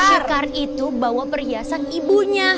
akar itu bawa perhiasan ibunya